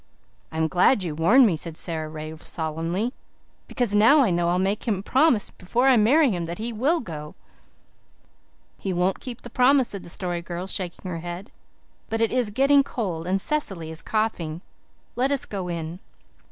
"I'm glad you warned me," said Sara Ray solemnly, "because now I know I'll make him promise before I marry him that he will go." "He won't keep the promise," said the Story Girl, shaking her head. "But it is getting cold and Cecily is coughing. Let us go in."